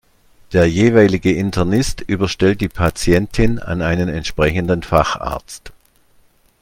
Der jeweilige Internist überstellt die Patientin an einen entsprechenden Facharzt.